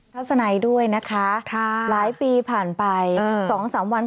ทัศนัยด้วยนะคะหลายปีผ่านไป๒๓วัน